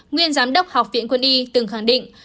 nguyên giám đốc học viện quân y từng khẳng định